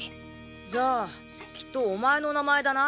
じゃあきっとお前の名前だな。